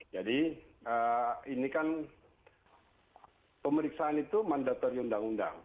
ini kan pemeriksaan itu mandatori undang undang